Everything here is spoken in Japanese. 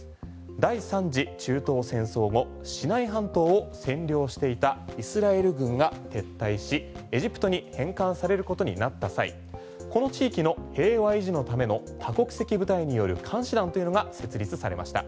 第３次中東戦争後シナイ半島を占領していたイスラエル軍が撤退しエジプトに返還されることになった際この地域の平和維持のための多国籍部隊による監視団というのが設立されました。